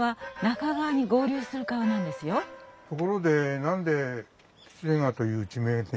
ところで何で喜連川という地名で？